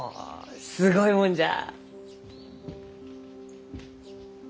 すごいもんじゃ。